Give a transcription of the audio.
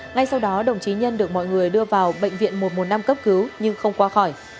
ngay sau đó đồng chí nhân được mọi người đưa vào bệnh viện một trăm một mươi năm cấp cứu nhưng không qua khỏi